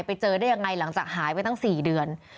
ไปเจอได้ยังไงหลังจากหายไปตั้ง๔เดือน